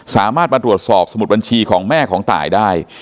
สามารถมาตรวจสอบสมุดบัญชีของแม่ของตายได้